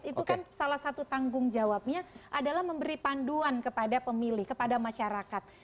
itu kan salah satu tanggung jawabnya adalah memberi panduan kepada pemilih kepada masyarakat